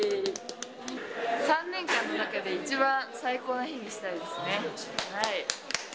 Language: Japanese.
３年間の中で一番最高な日にしたいですね。